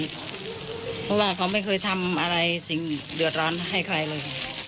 เพราะว่าเขาไม่เคยทำอะไรสิ่งเดือดร้อนให้ใครเลย